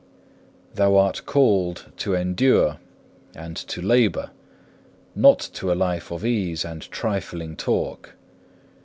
3. Thou art called to endure and to labour, not to a life of ease and trifling talk.